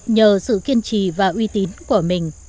nhờ sự kiên trì và uy tín của mình